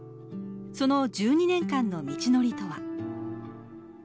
その１２年間の道のりとは。